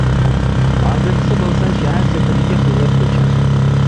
ھازىرقىسى بولسا شەھەر سىرتىدىكى خىلۋەت كوچا.